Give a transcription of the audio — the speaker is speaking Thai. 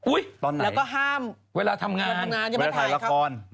อุ้ยตอนไหนแล้วก็ห้ามเวลาทำงานเวลาถ่ายละคร